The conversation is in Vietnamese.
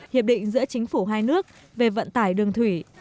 hiệp định giữa chính phủ hai nước về vận tải đường thủy